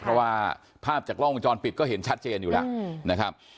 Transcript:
เพราะว่าภาพจากกล้องวงจรปิดก็เห็นชัดเจนอยู่แล้วนะครับ